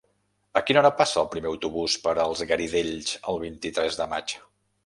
A quina hora passa el primer autobús per els Garidells el vint-i-tres de maig?